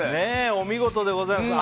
お見事でございます。